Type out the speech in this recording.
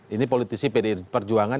ini politisi pdi perjuangan